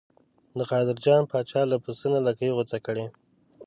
د قادر جان پاچا له پسه نه لکۍ غوڅه کړې.